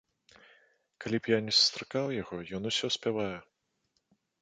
Калі б я ні сустракаў яго, ён усё спявае.